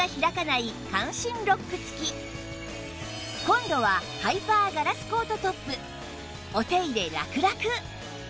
コンロはハイパーガラスコートトップお手入れラクラク